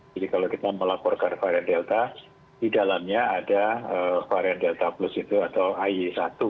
jadi kalau kita melaporkan varian delta di dalamnya ada varian delta plus itu atau ie satu